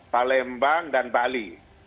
palembang dan bali